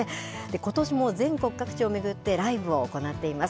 ことしも、全国各地を巡って、ライブを行っています。